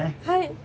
はい。